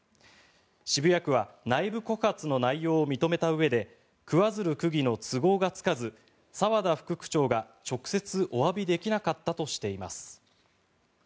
渋谷区は内部告発の内容を認めたうえで桑水流区議の都合がつかず澤田副区長が直接おわびできなかったとしています。